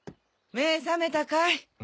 目ェ覚めたかい？